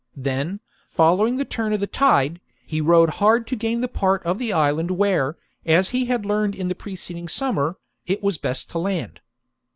Then, following the turn of the tide, he rowed hard to gain the part of the island where, as he had learned in the preceding summer, it was best to land.